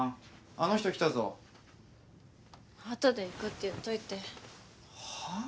あの人来たぞあとで行くって言っといてはぁ？